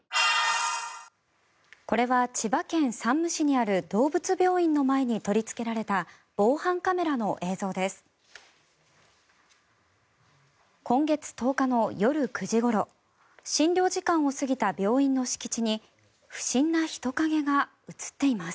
これは千葉県山武市にある動物病院の前に取りつけられた防犯カメラの映像です。